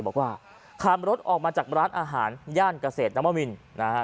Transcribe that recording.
บอกว่าขับรถออกมาจากร้านอาหารย่านเกษตรนวมินนะฮะ